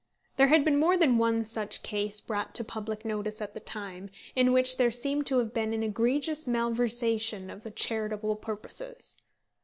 There had been more than one such case brought to public notice at the time, in which there seemed to have been an egregious malversation of charitable purposes.